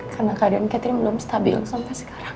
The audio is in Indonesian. karena keadaan ketri belum stabil sampai sekarang